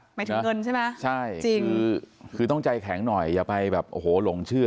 หมายถึงเงินใช่ไหมใช่จริงคือต้องใจแข็งหน่อยอย่าไปแบบโอ้โหหลงเชื่อ